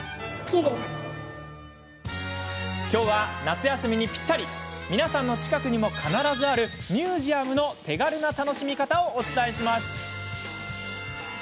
きょうは、夏休みにぴったり皆さんの近くにも必ずあるミュージアムの手軽な楽しみ方をお伝えします。